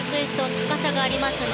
高さがありますね。